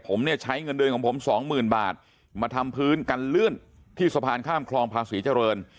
ผมเนี่ยใช้เงินเดือนของผมสองหมื่นบาทมาทำพื้นกันลื่นที่สะพานข้ามคลองภาษีเจริญ